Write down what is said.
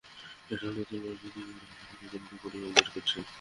এসব তথ্যের ওপর ভিত্তি করে আমরা একটা গাণিতিক পরিমাপ বের করেছি।